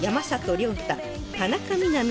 亮太田中みな実